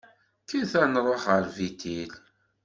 Kkret ad nṛuḥ ɣer Bitil.